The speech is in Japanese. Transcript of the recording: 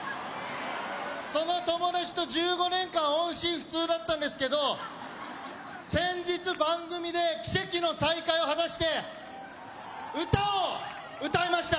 その友達と１５年間音信不通だったんですけど先日番組で奇跡の再会を果たして歌を歌いました。